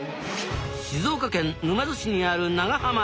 静岡県沼津市にある長浜城。